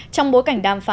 trong bối cảnh đàm phán